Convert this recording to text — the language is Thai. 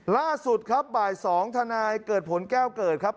ล่าสุดครับบ่าย๒ทนายเกิดผลแก้วเกิดครับ